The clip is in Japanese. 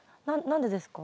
何でですか？